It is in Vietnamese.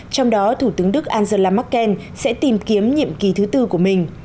trong đó thủ tướng đức angela merkel sẽ tìm kiếm nhiệm kỳ thứ tư của mình